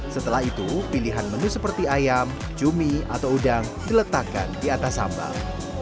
setelah itu pilihan menu seperti ayam cumi atau udang diletakkan di atas sambal